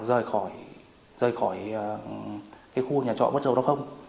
rời khỏi khu nhà trọ bất dấu đó không